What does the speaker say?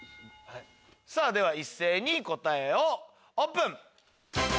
では一斉に答えをオープン！